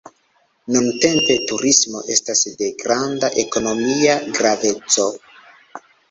Nuntempe turismo estas de granda ekonomia graveco.